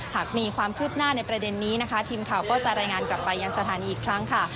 หากมีความคืบหน้าในประเด็นนี้นะคะทีมข่าวก็จะรายงานกลับไปยังสถานีอีกครั้งค่ะ